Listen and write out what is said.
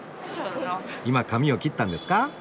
今髪を切ったんですか？